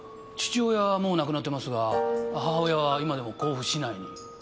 父親はもう亡くなってますが母親は今でも甲府市内に。